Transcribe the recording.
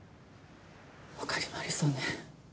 他にもありそうね。